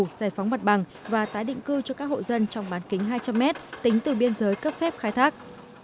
giải phóng mặt bằng và tái định cư cho các hộ dân trong bán kính hai trăm linh m tính từ biên giới cấp phép khai thác